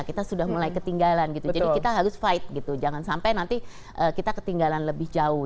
kita sudah mulai ketinggalan gitu jadi kita harus fight gitu jangan sampai nanti kita ketinggalan lebih jauh